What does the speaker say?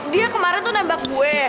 dia kemarin tuh nembak gue